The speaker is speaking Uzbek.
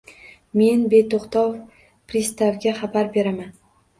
Men beto‘xtov pristavga xabar beraman